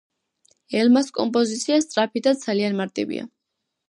ელმას კომპოზიცია სწრაფი და ძალიან მარტივია.